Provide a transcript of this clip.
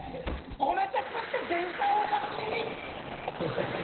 コメ鉄って電車をおかずに？